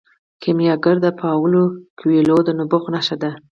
کیمیاګر د پاولو کویلیو د نبوغ نښه ده.